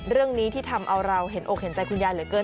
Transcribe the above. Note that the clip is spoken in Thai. เรื่องนี้ที่ทำเอาเราเห็นอกเห็นใจคุณยายเหลือเกิน